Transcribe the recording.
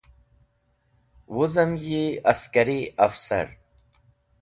Wuzem yi Askari Afsar.